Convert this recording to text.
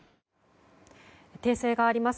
訂正があります。